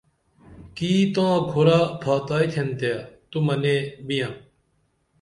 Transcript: کی تاں کھرہ پھاتائی تِھن تے تو منے بئیب